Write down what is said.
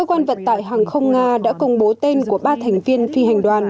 cơ quan vật tại hàng không nga đã công bố tên của ba thành viên phi hành đoàn